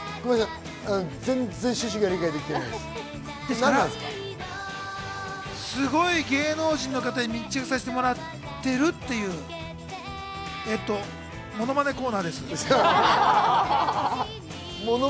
全然趣旨が理解できてないですごい芸能人の方に密着させてもらってるっていうものまねコーナーです。